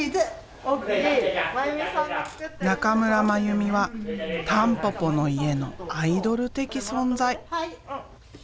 中村真由美はたんぽぽの家のアイドル的存在。